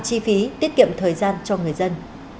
chi phí tiết kiệm thời gian cho người dân